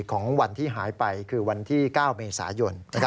ของวันที่หายไปคือวันที่๙เมษายน